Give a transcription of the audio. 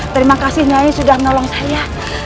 terima kasih nyai sudah menolong saya